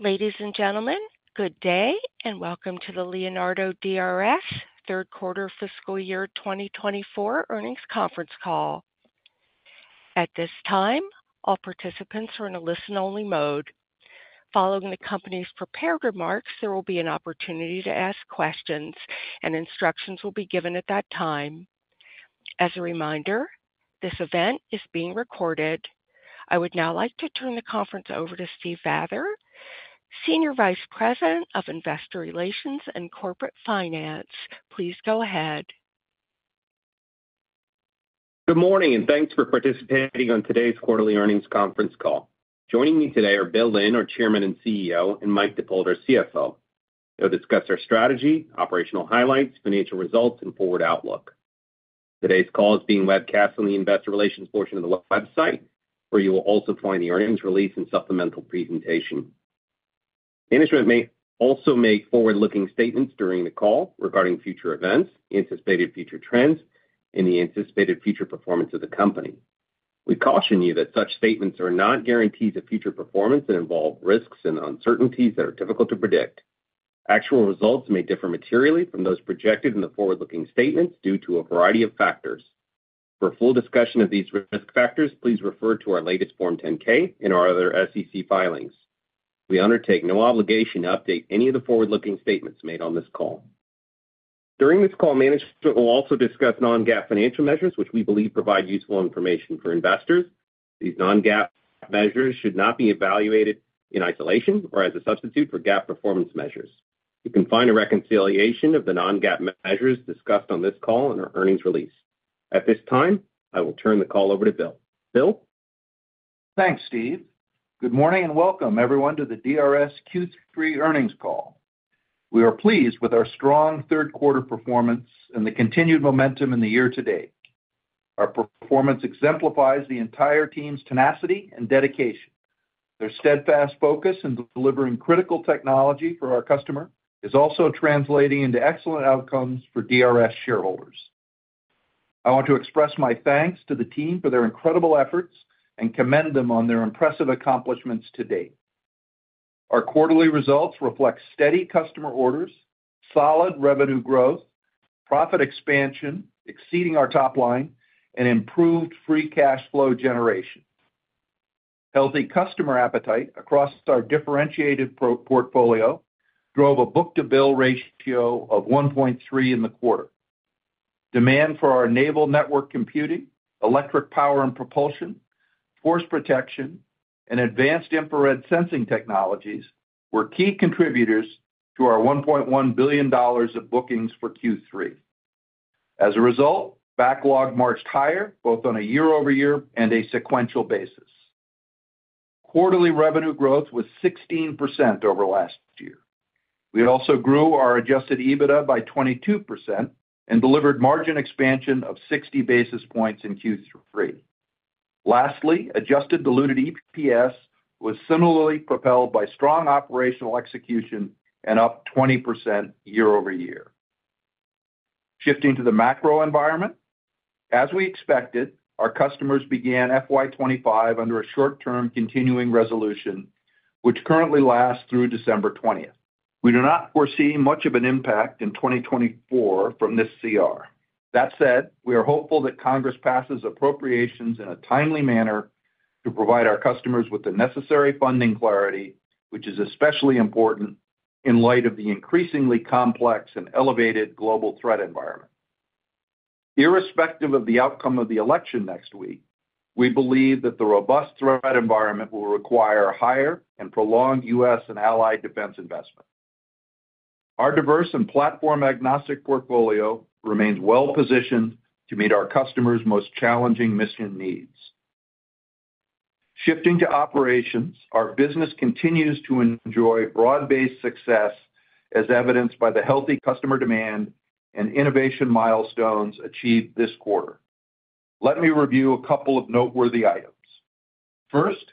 Ladies and gentlemen, good day and welcome to the Leonardo DRS Third Quarter Fiscal Year 2024 Earnings Conference Call. At this time, all participants are in a listen-only mode. Following the company's prepared remarks, there will be an opportunity to ask questions, and instructions will be given at that time. As a reminder, this event is being recorded. I would now like to turn the conference over to Steve Vather, Senior Vice President of Investor Relations and Corporate Finance. Please go ahead. Good morning, and thanks for participating on today's Quarterly Earnings Conference Call. Joining me today are Bill Lynn, our Chairman and CEO, and Mike Dippold, our CFO. They will discuss our strategy, operational highlights, financial results, and forward outlook. Today's call is being webcast on the Investor Relations portion of the website, where you will also find the earnings release and supplemental presentation. Management may also make forward-looking statements during the call regarding future events, anticipated future trends, and the anticipated future performance of the company. We caution you that such statements are not guarantees of future performance and involve risks and uncertainties that are difficult to predict. Actual results may differ materially from those projected in the forward-looking statements due to a variety of factors. For a full discussion of these risk factors, please refer to our latest Form 10-K and our other SEC filings. We undertake no obligation to update any of the forward-looking statements made on this call. During this call, management will also discuss non-GAAP financial measures, which we believe provide useful information for investors. These non-GAAP measures should not be evaluated in isolation or as a substitute for GAAP performance measures. You can find a reconciliation of the non-GAAP measures discussed on this call in our earnings release. At this time, I will turn the call over to Bill. Bill? Thanks, Steve. Good morning and welcome, everyone, to the DRS Q3 Earnings Call. We are pleased with our strong third-quarter performance and the continued momentum in the year to date. Our performance exemplifies the entire team's tenacity and dedication. Their steadfast focus in delivering critical technology for our customer is also translating into excellent outcomes for DRS shareholders. I want to express my thanks to the team for their incredible efforts and commend them on their impressive accomplishments to date. Our quarterly results reflect steady customer orders, solid revenue growth, profit expansion exceeding our top line, and improved free cash flow generation. Healthy customer appetite across our differentiated portfolio drove a book-to-bill ratio of 1.3 in the quarter. Demand for our naval network computing, electric power and propulsion, force protection, and advanced infrared sensing technologies were key contributors to our $1.1 billion of bookings for Q3. As a result, backlog marched higher both on a year-over-year and a sequential basis. Quarterly revenue growth was 16% over last year. We also grew our adjusted EBITDA by 22% and delivered margin expansion of 60 basis points in Q3. Lastly, adjusted diluted EPS was similarly propelled by strong operational execution and up 20% year-over-year. Shifting to the macro environment, as we expected, our customers began FY25 under a short-term continuing resolution, which currently lasts through December 20th. We do not foresee much of an impact in 2024 from this CR. That said, we are hopeful that Congress passes appropriations in a timely manner to provide our customers with the necessary funding clarity, which is especially important in light of the increasingly complex and elevated global threat environment. Irrespective of the outcome of the election next week, we believe that the robust threat environment will require higher and prolonged U.S. and allied defense investment. Our diverse and platform-agnostic portfolio remains well-positioned to meet our customers' most challenging mission needs. Shifting to operations, our business continues to enjoy broad-based success, as evidenced by the healthy customer demand and innovation milestones achieved this quarter. Let me review a couple of noteworthy items. First,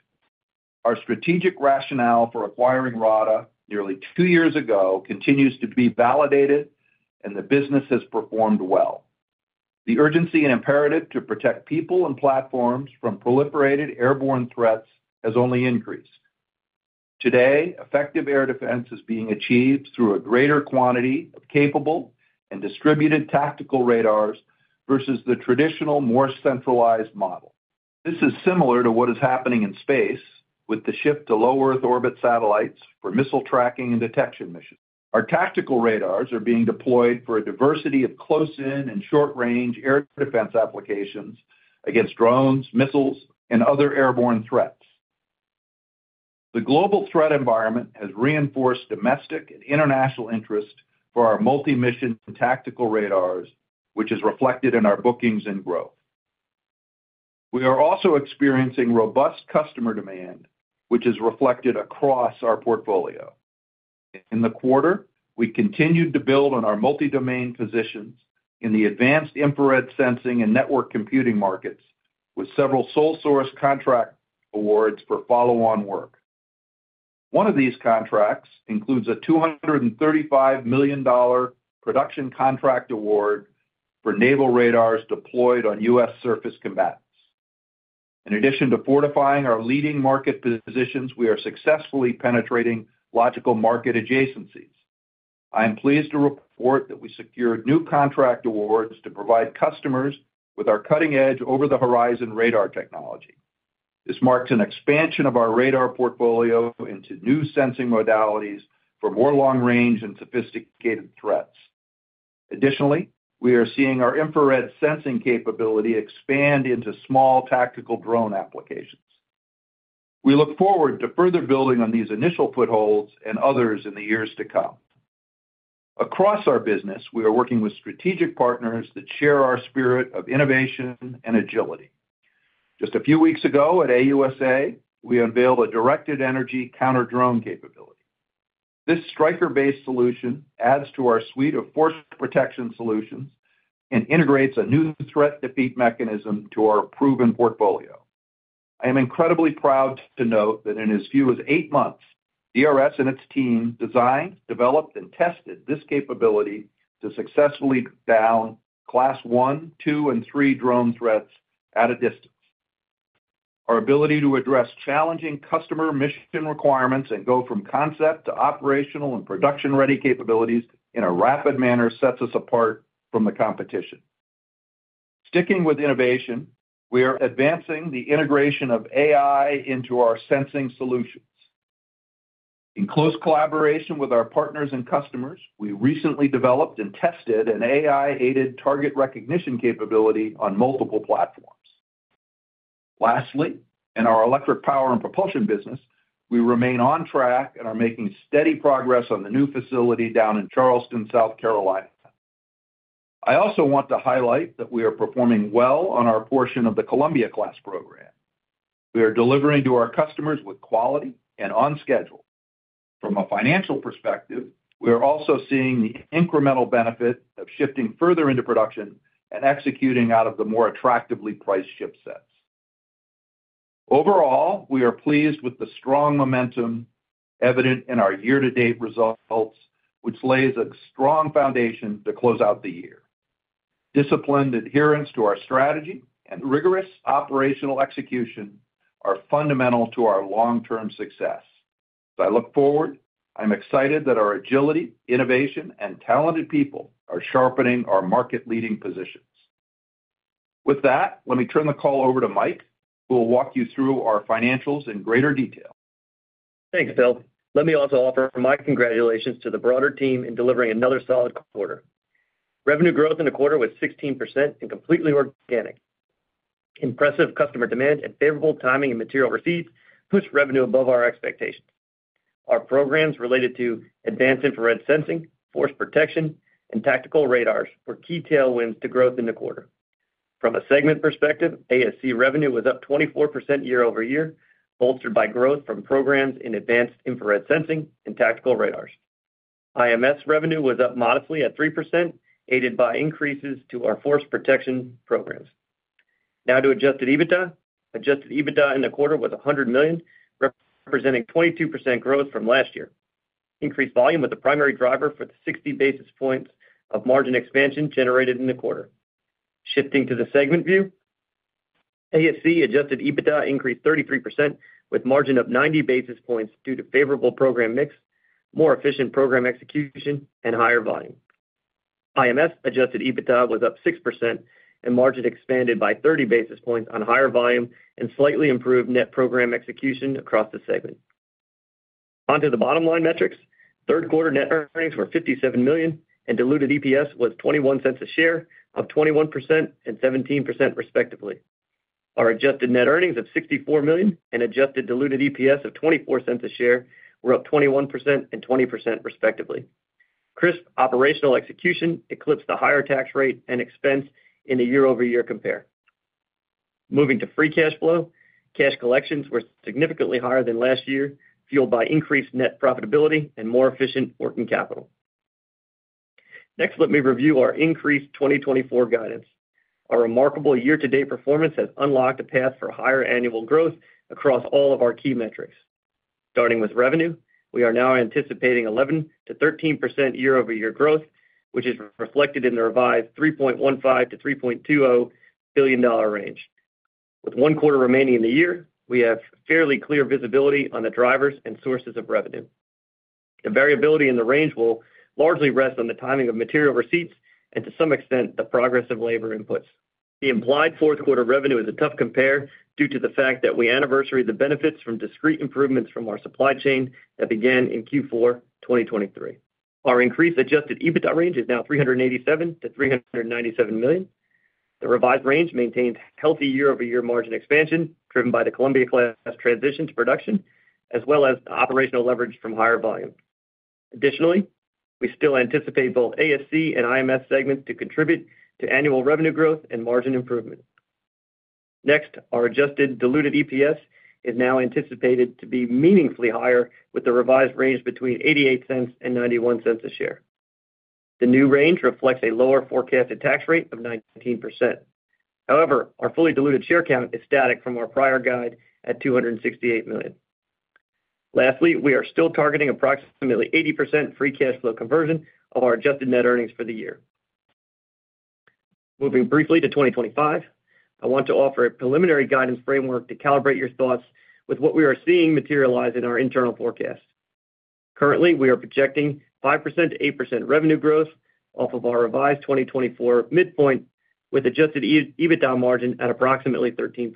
our strategic rationale for acquiring RADA nearly two years ago continues to be validated, and the business has performed well. The urgency and imperative to protect people and platforms from proliferated airborne threats has only increased. Today, effective air defense is being achieved through a greater quantity of capable and distributed tactical radars versus the traditional, more centralized model. This is similar to what is happening in space with the shift to low Earth orbit satellites for missile tracking and detection missions. Our tactical radars are being deployed for a diversity of close-in and short-range air defense applications against drones, missiles, and other airborne threats. The global threat environment has reinforced domestic and international interest for our multi-mission tactical radars, which is reflected in our bookings and growth. We are also experiencing robust customer demand, which is reflected across our portfolio. In the quarter, we continued to build on our multi-domain positions in the advanced infrared sensing and network computing markets, with several sole-source contract awards for follow-on work. One of these contracts includes a $235 million production contract award for naval radars deployed on U.S. surface combatants. In addition to fortifying our leading market positions, we are successfully penetrating logical market adjacencies. I am pleased to report that we secured new contract awards to provide customers with our cutting-edge over-the-horizon radar technology. This marks an expansion of our radar portfolio into new sensing modalities for more long-range and sophisticated threats. Additionally, we are seeing our infrared sensing capability expand into small tactical drone applications. We look forward to further building on these initial footholds and others in the years to come. Across our business, we are working with strategic partners that share our spirit of innovation and agility. Just a few weeks ago at AUSA, we unveiled a directed-energy counter-drone capability. This Stryker-based solution adds to our suite of Force Protection solutions and integrates a new threat defeat mechanism to our proven portfolio. I am incredibly proud to note that in as few as eight months, DRS and its team designed, developed, and tested this capability to successfully down Class I, II, and III drone threats at a distance. Our ability to address challenging customer mission requirements and go from concept to operational and production-ready capabilities in a rapid manner sets us apart from the competition. Sticking with innovation, we are advancing the integration of AI into our sensing solutions. In close collaboration with our partners and customers, we recently developed and tested an AI-aided target recognition capability on multiple platforms. Lastly, in our electric power and propulsion business, we remain on track and are making steady progress on the new facility down in Charleston, South Carolina. I also want to highlight that we are performing well on our portion of the Columbia Class program. We are delivering to our customers with quality and on schedule. From a financial perspective, we are also seeing the incremental benefit of shifting further into production and executing out of the more attractively priced shipsets. Overall, we are pleased with the strong momentum evident in our year-to-date results, which lays a strong foundation to close out the year. Disciplined adherence to our strategy and rigorous operational execution are fundamental to our long-term success. As I look forward, I'm excited that our agility, innovation, and talented people are sharpening our market-leading positions. With that, let me turn the call over to Mike, who will walk you through our financials in greater detail. Thanks, Bill. Let me also offer my congratulations to the broader team in delivering another solid quarter. Revenue growth in the quarter was 16% and completely organic. Impressive customer demand and favorable timing and material receipts pushed revenue above our expectations. Our programs related to advanced infrared sensing, force protection, and tactical radars were key tailwinds to growth in the quarter. From a segment perspective, ASC revenue was up 24% year-over-year, bolstered by growth from programs in advanced infrared sensing and tactical radars. IMS revenue was up modestly at 3%, aided by increases to our force protection programs. Now to adjusted EBITDA. Adjusted EBITDA in the quarter was $100 million, representing 22% growth from last year. Increased volume was the primary driver for the 60 basis points of margin expansion generated in the quarter. Shifting to the segment view, ASC adjusted EBITDA increased 33% with a margin of 90 basis points due to favorable program mix, more efficient program execution, and higher volume. IMS adjusted EBITDA was up 6%, and margin expanded by 30 basis points on higher volume and slightly improved net program execution across the segment. Onto the bottom-line metrics. Third-quarter net earnings were $57 million, and diluted EPS was $0.21 a share, up 21% and 17%, respectively. Our adjusted net earnings of $64 million and adjusted diluted EPS of $0.24 a share were up 21% and 20%, respectively. Crisp operational execution eclipsed the higher tax rate and expense in the year-over-year compare. Moving to free cash flow, cash collections were significantly higher than last year, fueled by increased net profitability and more efficient working capital. Next, let me review our increased 2024 guidance. Our remarkable year-to-date performance has unlocked a path for higher annual growth across all of our key metrics. Starting with revenue, we are now anticipating 11%-13% year-over-year growth, which is reflected in the revised $3.15-$3.20 billion range. With one quarter remaining in the year, we have fairly clear visibility on the drivers and sources of revenue. The variability in the range will largely rest on the timing of material receipts and, to some extent, the progress of labor inputs. The implied fourth-quarter revenue is a tough compare due to the fact that we anniversary the benefits from discrete improvements from our supply chain that began in Q4 2023. Our increased adjusted EBITDA range is now $387-$397 million. The revised range maintains healthy year-over-year margin expansion driven by the Columbia Class transition to production, as well as operational leverage from higher volume. Additionally, we still anticipate both ASC and IMS segments to contribute to annual revenue growth and margin improvement. Next, our adjusted diluted EPS is now anticipated to be meaningfully higher with a revised range between $0.88 and $0.91 a share. The new range reflects a lower forecasted tax rate of 19%. However, our fully diluted share count is static from our prior guide at $268 million. Lastly, we are still targeting approximately 80% free cash flow conversion of our adjusted net earnings for the year. Moving briefly to 2025, I want to offer a preliminary guidance framework to calibrate your thoughts with what we are seeing materialize in our internal forecast. Currently, we are projecting 5% to 8% revenue growth off of our revised 2024 midpoint, with adjusted EBITDA margin at approximately 13%.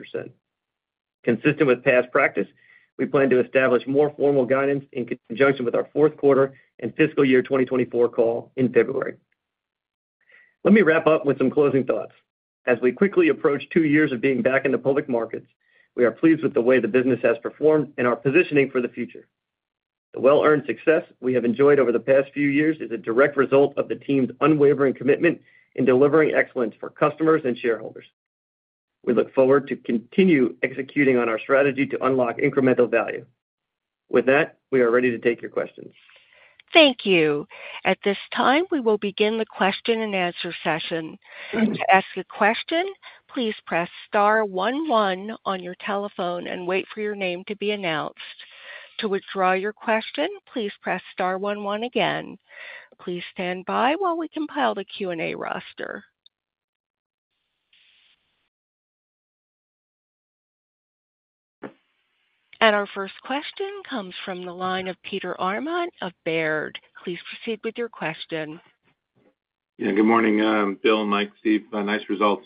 Consistent with past practice, we plan to establish more formal guidance in conjunction with our fourth quarter and fiscal year 2024 call in February. Let me wrap up with some closing thoughts. As we quickly approach two years of being back in the public markets, we are pleased with the way the business has performed and our positioning for the future. The well-earned success we have enjoyed over the past few years is a direct result of the team's unwavering commitment in delivering excellence for customers and shareholders. We look forward to continuing executing on our strategy to unlock incremental value. With that, we are ready to take your questions. Thank you. At this time, we will begin the question-and-answer session. To ask a question, please press star 11 on your telephone and wait for your name to be announced. To withdraw your question, please press star 11 again. Please stand by while we compile the Q&A roster. And our first question comes from the line of Peter Arment of Baird. Please proceed with your question. Yeah, good morning, Bill, Mike, Steve. Nice results.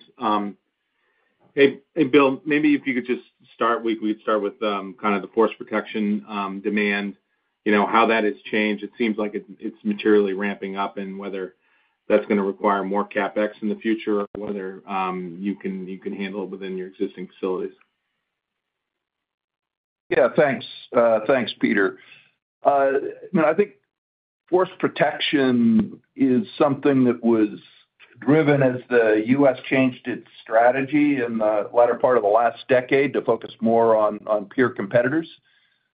Hey, Bill, maybe if you could just start, we could start with kind of the force protection demand, how that has changed. It seems like it's materially ramping up in whether that's going to require more CapEx in the future or whether you can handle it within your existing facilities. Yeah, thanks. Thanks, Peter. I think force protection is something that was driven as the U.S. changed its strategy in the latter part of the last decade to focus more on peer competitors.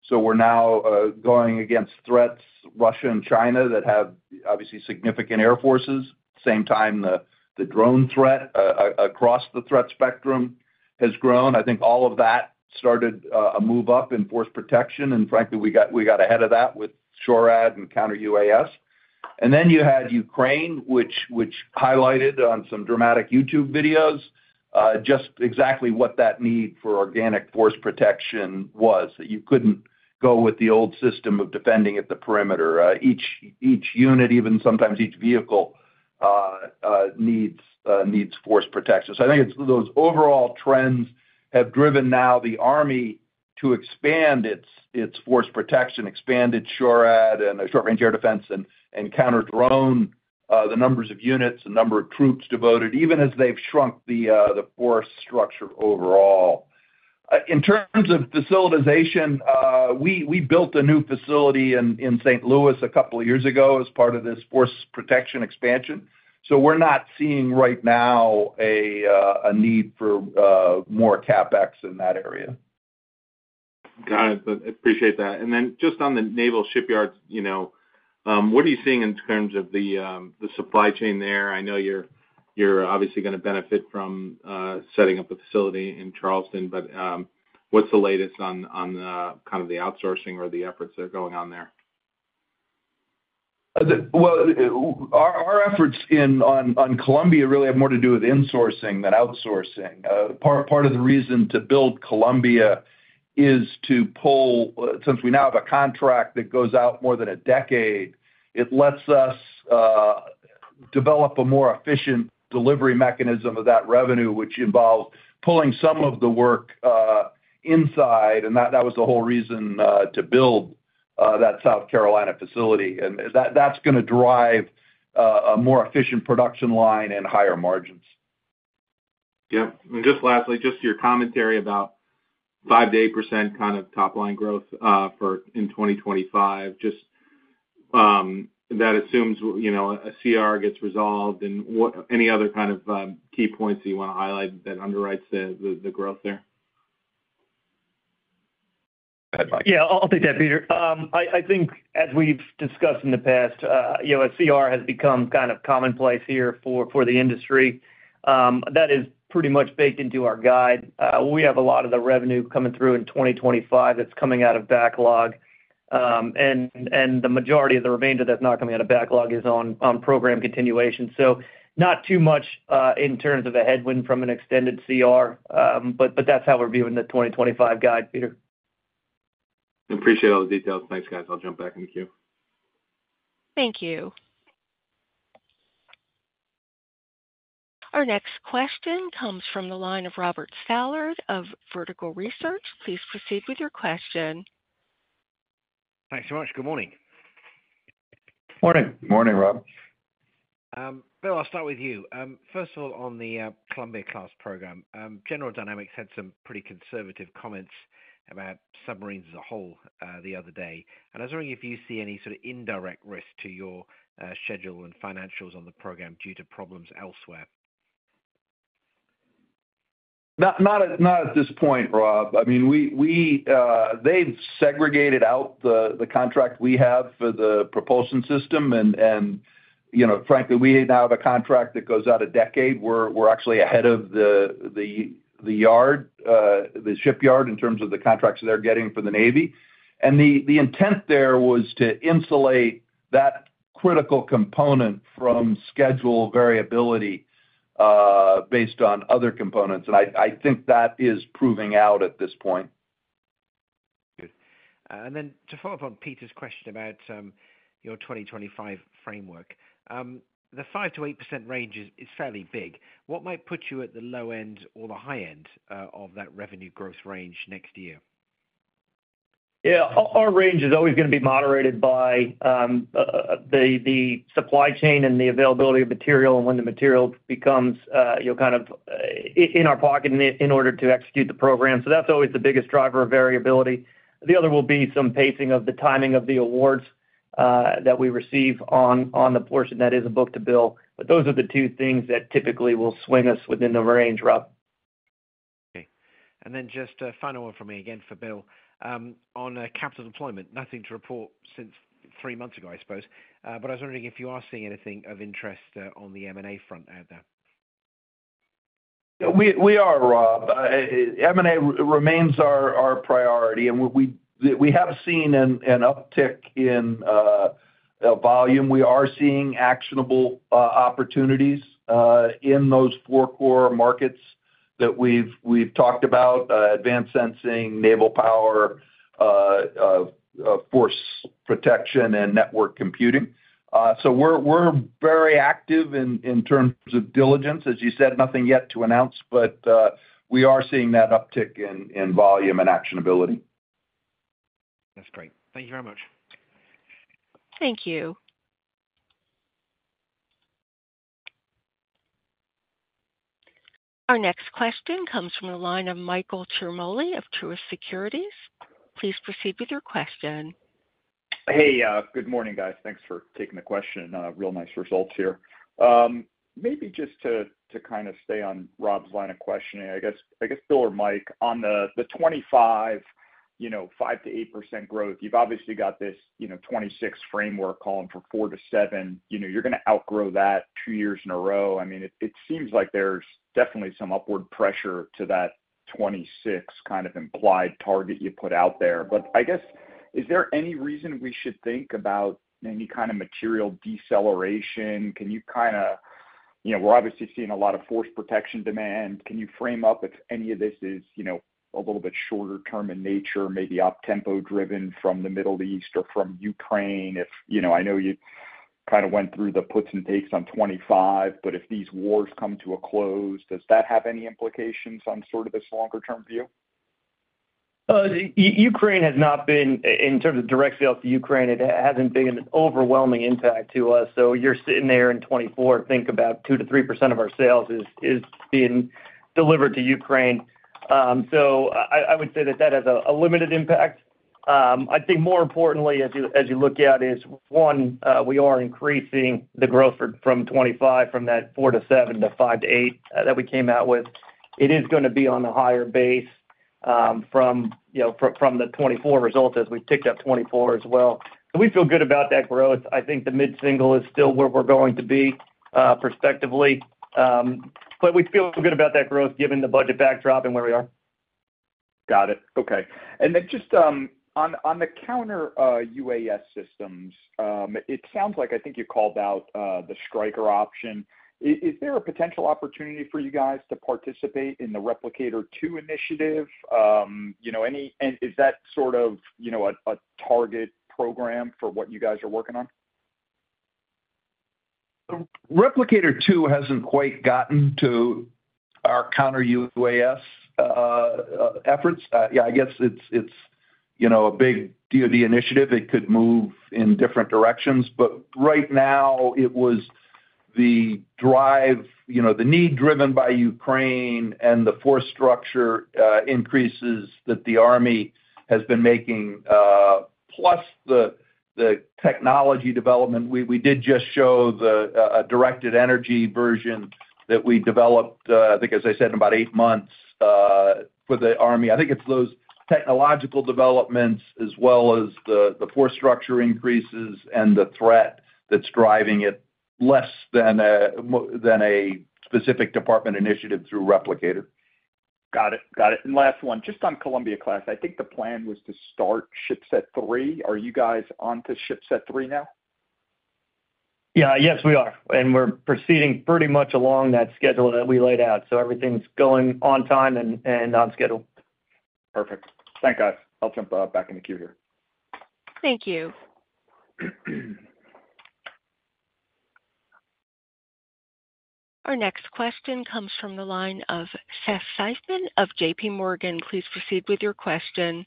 So we're now going against threats, Russia and China, that have obviously significant air forces. At the same time, the drone threat across the threat spectrum has grown. I think all of that started a move up in force protection. And frankly, we got ahead of that with SHORAD and counter-UAS. And then you had Ukraine, which highlighted on some dramatic YouTube videos just exactly what that need for organic force protection was, that you couldn't go with the old system of defending at the perimeter. Each unit, even sometimes each vehicle, needs force protection. So I think those overall trends have driven now the Army to expand its force protection, expand its SHORAD and short-range air defense and counter-drone, the numbers of units, the number of troops devoted, even as they've shrunk the force structure overall. In terms of facilitation, we built a new facility in St. Louis a couple of years ago as part of this force protection expansion. So we're not seeing right now a need for more CapEx in that area. Got it. I appreciate that. And then just on the naval shipyards, what are you seeing in terms of the supply chain there? I know you're obviously going to benefit from setting up a facility in Charleston, but what's the latest on kind of the outsourcing or the efforts that are going on there? Our efforts on Columbia really have more to do with insourcing than outsourcing. Part of the reason to build Columbia is to pull, since we now have a contract that goes out more than a decade, it lets us develop a more efficient delivery mechanism of that revenue, which involves pulling some of the work inside. That was the whole reason to build that South Carolina facility. That's going to drive a more efficient production line and higher margins. Yeah. And just lastly, just your commentary about 5%-8% kind of top-line growth in 2025, just that assumes a CR gets resolved. And any other kind of key points that you want to highlight that underwrites the growth there? Yeah, I'll take that, Peter. I think, as we've discussed in the past, a CR has become kind of commonplace here for the industry. That is pretty much baked into our guide. We have a lot of the revenue coming through in 2025 that's coming out of backlog. And the majority of the remainder that's not coming out of backlog is on program continuation. So not too much in terms of a headwind from an extended CR, but that's how we're viewing the 2025 guide, Peter. Appreciate all the details. Thanks, guys. I'll jump back in the queue. Thank you. Our next question comes from the line of Robert Stallard of Vertical Research. Please proceed with your question. Thanks so much. Good morning. Morning. Morning, Rob. Bill, I'll start with you. First of all, on the Columbia Class program, General Dynamics had some pretty conservative comments about submarines as a whole the other day. And I was wondering if you see any sort of indirect risk to your schedule and financials on the program due to problems elsewhere? Not at this point, Rob. I mean, they've segregated out the contract we have for the propulsion system. And frankly, we now have a contract that goes out a decade. We're actually ahead of the yard, the shipyard, in terms of the contracts they're getting from the Navy. And the intent there was to insulate that critical component from schedule variability based on other components. And I think that is proving out at this point. Good. And then to follow up on Peter's question about your 2025 framework, the 5%-8% range is fairly big. What might put you at the low end or the high end of that revenue growth range next year? Yeah, our range is always going to be moderated by the supply chain and the availability of material, and when the material becomes kind of in our pocket in order to execute the program, so that's always the biggest driver of variability. The other will be some pacing of the timing of the awards that we receive on the portion that is a book-to-bill, but those are the two things that typically will swing us within the range, Rob. Okay, and then just a final one from me again for Bill. On capital deployment, nothing to report since three months ago, I suppose, but I was wondering if you are seeing anything of interest on the M&A front out there. We are, Rob. M&A remains our priority, and we have seen an uptick in volume. We are seeing actionable opportunities in those four core markets that we've talked about: advanced sensing, naval power, force protection, and network computing. We're very active in terms of diligence. As you said, nothing yet to announce, but we are seeing that uptick in volume and actionability. That's great. Thank you very much. Thank you. Our next question comes from the line of Michael Ciarmoli of Truist Securities. Please proceed with your question. Hey, good morning, guys. Thanks for taking the question. Really nice results here. Maybe just to kind of stay on Rob's line of questioning, I guess, Bill or Mike, on the 2025, 5%-8% growth, you've obviously got this 2026 framework calling for 4%-7%. You're going to outgrow that two years in a row. I mean, it seems like there's definitely some upward pressure to that 2026 kind of implied target you put out there. But I guess, is there any reason we should think about any kind of material deceleration? Can you kind of, we're obviously seeing a lot of force protection demand. Can you frame up if any of this is a little bit shorter-term in nature, maybe up tempo driven from the Middle East or from Ukraine? I know you kind of went through the puts and takes on 25, but if these wars come to a close, does that have any implications on sort of this longer-term view? Ukraine has not been, in terms of direct sales to Ukraine, it hasn't been an overwhelming impact to us. So you're sitting there in 2024, think about 2%-3% of our sales is being delivered to Ukraine. So I would say that that has a limited impact. I think more importantly, as you look at, is one, we are increasing the growth from 2025, from that 4 to 7 to 5 to 8 that we came out with. It is going to be on a higher base from the 2024 result as we've picked up 2024 as well. So we feel good about that growth. I think the mid-single is still where we're going to be prospectively. But we feel good about that growth given the budget backdrop and where we are. Got it. Okay. And then just on the Counter-UAS systems, it sounds like I think you called out the Stryker option. Is there a potential opportunity for you guys to participate in the Replicator 2 initiative? Is that sort of a target program for what you guys are working on? Replicator 2 hasn't quite gotten to our Counter-UAS efforts. Yeah, I guess it's a big DoD initiative. It could move in different directions. But right now, it was the drive, the need driven by Ukraine and the force structure increases that the Army has been making, plus the technology development. We did just show the directed-energy version that we developed, I think, as I said, in about eight months for the Army. I think it's those technological developments as well as the force structure increases and the threat that's driving it less than a specific department initiative through Replicator. Got it. Got it. And last one, just on Columbia Class, I think the plan was to start shipset three. Are you guys on to shipset three now? Yeah. Yes, we are, and we're proceeding pretty much along that schedule that we laid out, so everything's going on time and on schedule. Perfect. Thanks, guys. I'll jump back in the queue here. Thank you. Our next question comes from the line of Seth Seifman of J.P. Morgan. Please proceed with your question.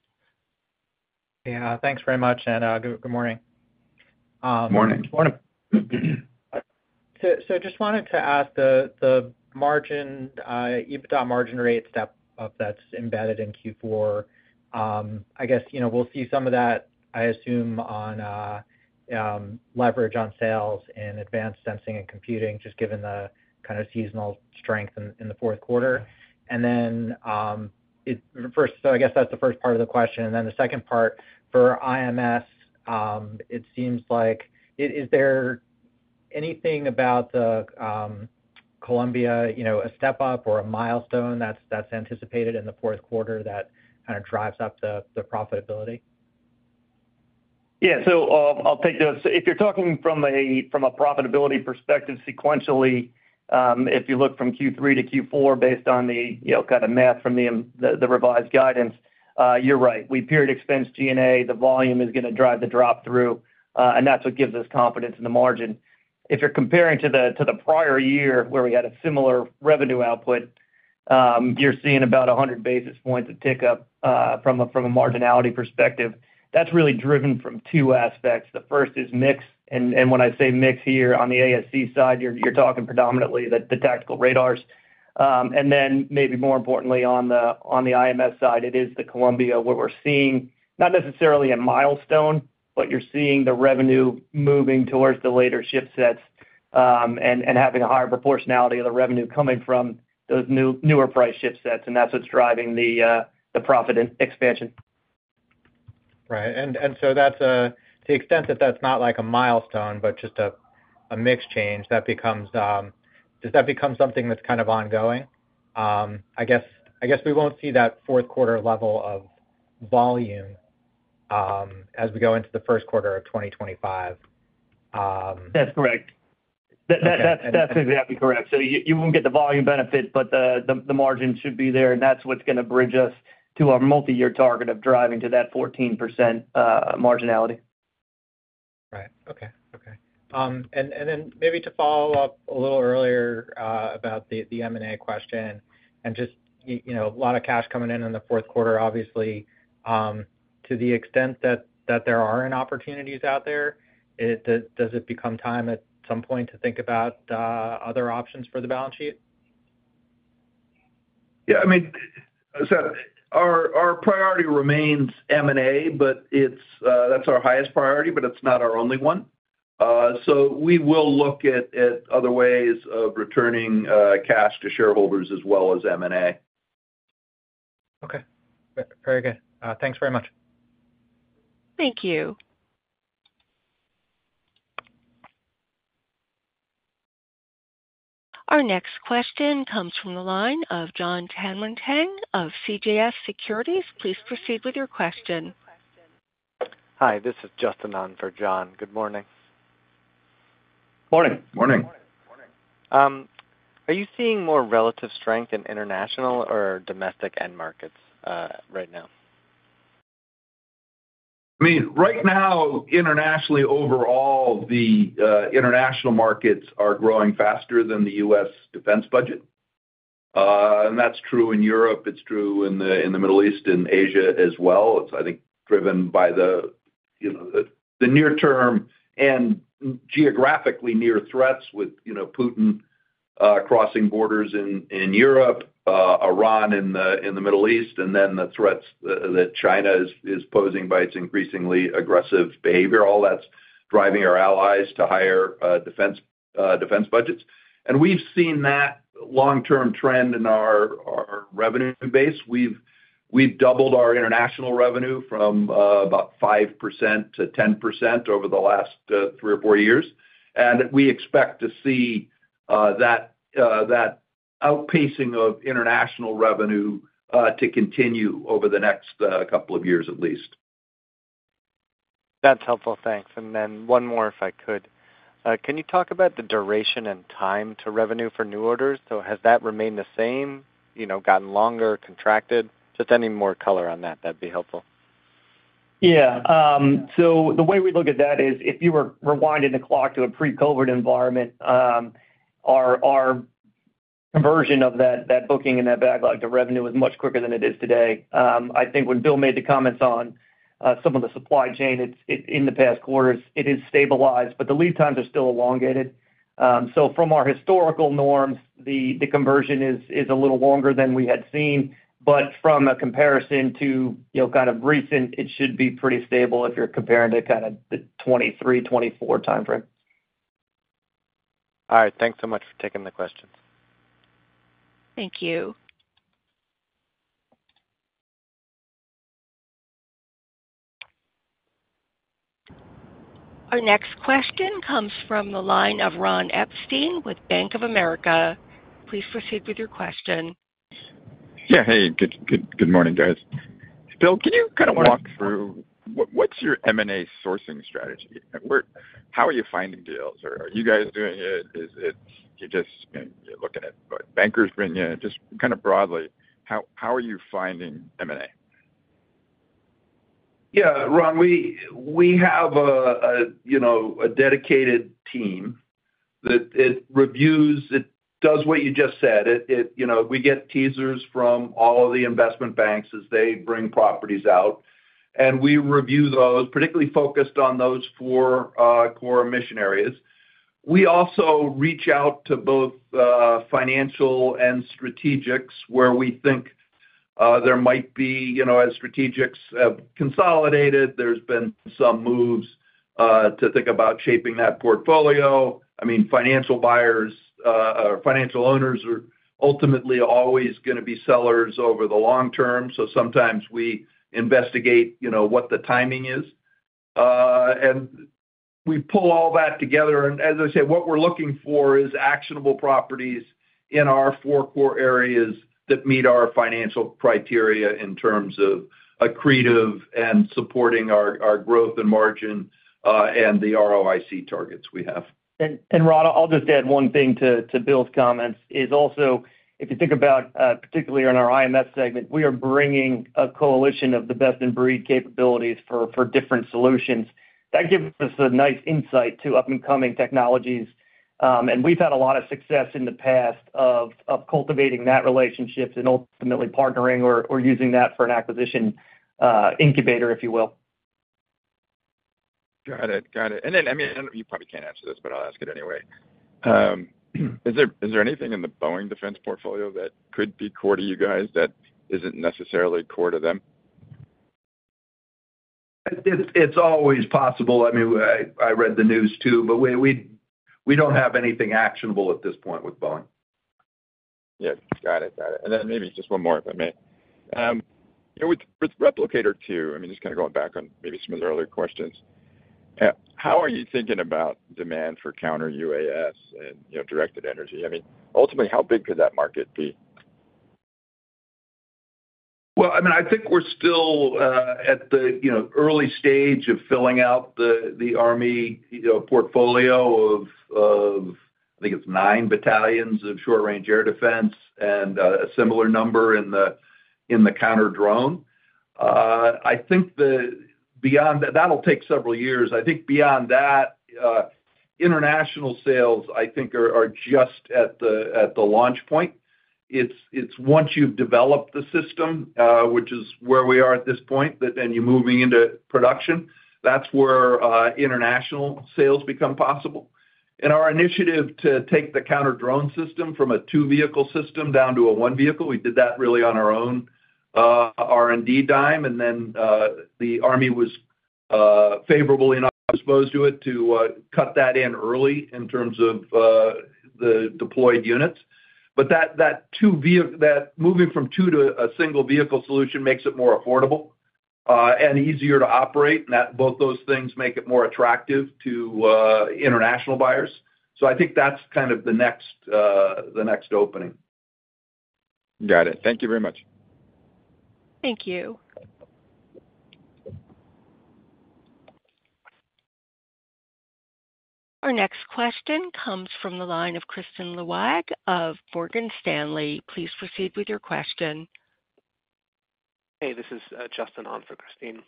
Yeah. Thanks very much, and good morning. Good morning. Morning. So just wanted to ask the margin, EBITDA margin rate step up that's embedded in Q4. I guess we'll see some of that, I assume, on leverage on sales and Advanced Sensing and Computing, just given the kind of seasonal strength in the fourth quarter. And then first, so I guess that's the first part of the question. And then the second part for IMS, it seems like is there anything about Columbia, a step up or a milestone that's anticipated in the fourth quarter that kind of drives up the profitability? Yeah. So I'll take this. If you're talking from a profitability perspective, sequentially, if you look from Q3 to Q4 based on the kind of math from the revised guidance, you're right. We period expense G&A, the volume is going to drive the drop-through. And that's what gives us confidence in the margin. If you're comparing to the prior year where we had a similar revenue output, you're seeing about 100 basis points of tick up from a marginality perspective. That's really driven from two aspects. The first is mix. And when I say mix here on the ASC side, you're talking predominantly the tactical radars. And then maybe more importantly, on the IMS side, it is the Columbia where we're seeing not necessarily a milestone, but you're seeing the revenue moving towards the later shipsets and having a higher proportionality of the revenue coming from those higher-priced shipsets. And that's what's driving the profit expansion. Right. And so to the extent that that's not like a milestone, but just a mix change, does that become something that's kind of ongoing? I guess we won't see that fourth quarter level of volume as we go into the first quarter of 2025. That's correct. That's exactly correct. So you won't get the volume benefit, but the margin should be there. And that's what's going to bridge us to our multi-year target of driving to that 14% marginality. Right. Okay, and then maybe to follow up a little earlier about the M&A question and just a lot of cash coming in in the fourth quarter, obviously, to the extent that there are opportunities out there, does it become time at some point to think about other options for the balance sheet? Yeah. I mean, so our priority remains M&A, but that's our highest priority, but it's not our only one. So we will look at other ways of returning cash to shareholders as well as M&A. Okay. Very good. Thanks very much. Thank you. Our next question comes from the line of Jon Tanwanteng of CJS Securities. Please proceed with your question. Hi. This is Justin on for Jon. Good morning. Morning. Morning. Are you seeing more relative strength in international or domestic end markets right now? I mean, right now, internationally, overall, the international markets are growing faster than the U.S. defense budget. And that's true in Europe. It's true in the Middle East and Asia as well. It's, I think, driven by the near-term and geographically near threats with Putin crossing borders in Europe, Iran in the Middle East, and then the threats that China is posing by its increasingly aggressive behavior. All that's driving our allies to higher defense budgets. And we've seen that long-term trend in our revenue base. We've doubled our international revenue from about 5% to 10% over the last three or four years. And we expect to see that outpacing of international revenue to continue over the next couple of years at least. That's helpful. Thanks, and then one more, if I could. Can you talk about the duration and time to revenue for new orders? So has that remained the same, gotten longer, contracted? Just any more color on that, that'd be helpful. Yeah. So the way we look at that is if you were rewinding the clock to a pre-COVID environment, our version of that booking and that backlog to revenue was much quicker than it is today. I think when Bill made the comments on some of the supply chain in the past quarters, it has stabilized, but the lead times are still elongated. So from our historical norms, the conversion is a little longer than we had seen. But from a comparison to kind of recent, it should be pretty stable if you're comparing to kind of the 2023, 2024 timeframe. All right. Thanks so much for taking the questions. Thank you. Our next question comes from the line of Ron Epstein with Bank of America. Please proceed with your question. Yeah. Hey, good morning, guys. Bill, can you kind of walk through what's your M&A sourcing strategy? How are you finding deals? Are you guys doing it? You're just looking at what bankers bring in. Just kind of broadly, how are you finding M&A? Yeah. Ron, we have a dedicated team that reviews. It does what you just said. We get teasers from all of the investment banks as they bring properties out. And we review those, particularly focused on those four core mission areas. We also reach out to both financial and strategics where we think there might be, as strategics have consolidated, there's been some moves to think about shaping that portfolio. I mean, financial buyers or financial owners are ultimately always going to be sellers over the long term. So sometimes we investigate what the timing is. And we pull all that together. And as I say, what we're looking for is actionable properties in our four core areas that meet our financial criteria in terms of accretive and supporting our growth and margin and the ROIC targets we have. And, Ron, I'll just add one thing to Bill's comments. Also, if you think about particularly on our IMS segment, we are bringing a coalition of the best-in-breed capabilities for different solutions. That gives us a nice insight to up-and-coming technologies. And we've had a lot of success in the past of cultivating that relationship and ultimately partnering or using that for an acquisition incubator, if you will. Got it. Got it. And then, I mean, you probably can't answer this, but I'll ask it anyway. Is there anything in the Boeing defense portfolio that could be core to you guys that isn't necessarily core to them? It's always possible. I mean, I read the news too, but we don't have anything actionable at this point with Boeing. Yeah. Got it. Got it. And then maybe just one more, if I may. With Replicator 2, I mean, just kind of going back on maybe some of the earlier questions, how are you thinking about demand for counter-UAS and directed energy? I mean, ultimately, how big could that market be? Well, I mean, I think we're still at the early stage of filling out the Army portfolio of, I think it's nine battalions of short-range air defense and a similar number in the counter-drone. I think that that'll take several years. I think beyond that, international sales, I think, are just at the launch point. It's once you've developed the system, which is where we are at this point, and you're moving into production, that's where international sales become possible. And our initiative to take the counter-drone system from a two-vehicle system down to a one-vehicle, we did that really on our own R&D dime. And then the Army was favorably enough exposed to it to cut that in early in terms of the deployed units. But that moving from two to a single-vehicle solution makes it more affordable and easier to operate. And both those things make it more attractive to international buyers. So I think that's kind of the next opening. Got it. Thank you very much. Thank you. Our next question comes from the line of Kristine Liwag of Morgan Stanley. Please proceed with your question. Hey, this is Justin on for Kristine.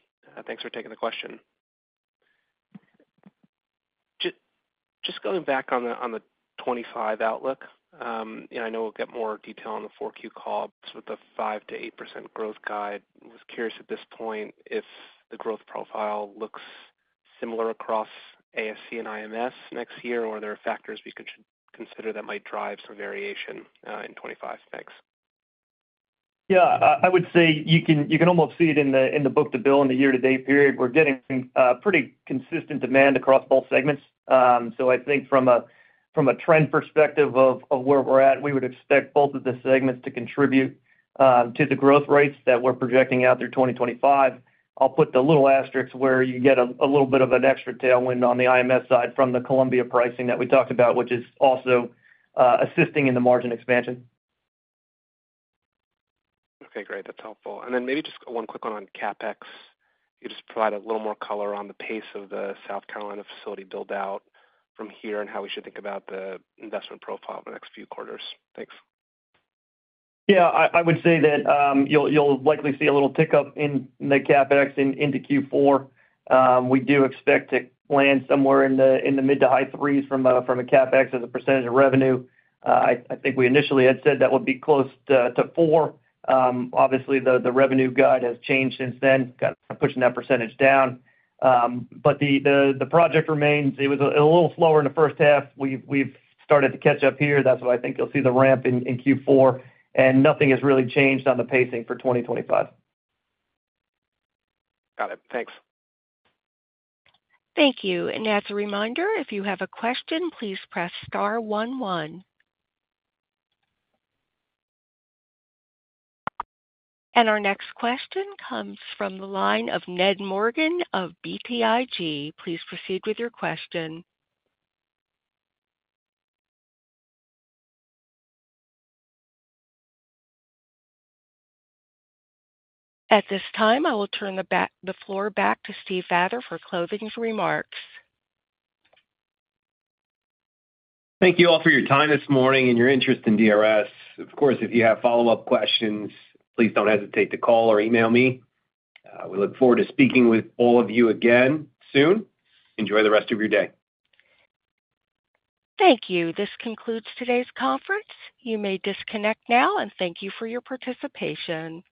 Thanks for taking the question. Just going back on the 2025 outlook, and I know we'll get more detail on the Q4 call. With the 5% to 8% growth guide, I was curious at this point if the growth profile looks similar across ASC and IMS next year, or are there factors we should consider that might drive some variation in 2025? Thanks. Yeah. I would say you can almost see it in the book-to-bill in the year-to-date period. We're getting pretty consistent demand across both segments. So I think from a trend perspective of where we're at, we would expect both of the segments to contribute to the growth rates that we're projecting out through 2025. I'll put the little asterisk where you get a little bit of an extra tailwind on the IMS side from the Columbia pricing that we talked about, which is also assisting in the margin expansion. Okay. Great. That's helpful. And then maybe just one quick one on CapEx. You just provide a little more color on the pace of the South Carolina facility build-out from here and how we should think about the investment profile over the next few quarters. Thanks. Yeah. I would say that you'll likely see a little tick up in the CapEx into Q4. We do expect to land somewhere in the mid- to high 3s from a CapEx as a percentage of revenue. I think we initially had said that would be close to 4%. Obviously, the revenue guide has changed since then, kind of pushing that percentage down. But the project remains. It was a little slower in the first half. We've started to catch up here. That's why I think you'll see the ramp in Q4. And nothing has really changed on the pacing for 2025. Got it. Thanks. Thank you. And as a reminder, if you have a question, please press star 11. And our next question comes from the line of Ned Morgan of BTIG. Please proceed with your question. At this time, I will turn the floor back to Steve Vather for closing remarks. Thank you all for your time this morning and your interest in DRS. Of course, if you have follow-up questions, please don't hesitate to call or email me. We look forward to speaking with all of you again soon. Enjoy the rest of your day. Thank you. This concludes today's conference. You may disconnect now and thank you for your participation.